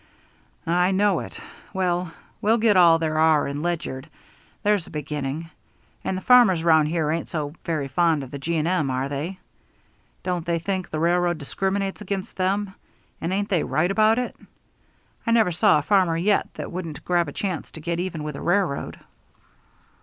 "I know it. Well, we'll get all there are in Ledyard. There's a beginning. And the farmers round here ain't so very fond of the G. & M., are they? Don't they think the railroad discriminates against them and ain't they right about it? I never saw a farmer yet that wouldn't grab a chance to get even with a railroad."